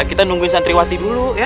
kita nungguin santriwati dulu ya